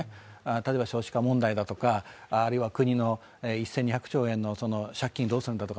例えば少子化問題だとか、あるいは国の１２００兆円の借金をどうするんだとか。